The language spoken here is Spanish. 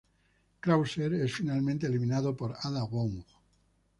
Krauser es finalmente eliminado por Ada Wong.